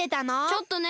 ちょっとね。